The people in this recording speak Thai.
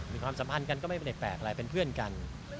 ความสัมพันธ์กันก็ไม่ได้แปลกอะไรเป็นเพื่อนกัน